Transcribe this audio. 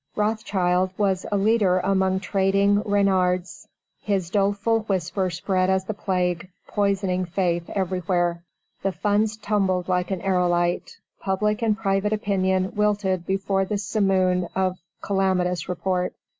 Rothschild was a leader among trading reynards. His doleful whisper spread as the plague poisoning faith everywhere. The funds tumbled like an aerolite. Public and private opinion wilted before the simoon of calamitous report.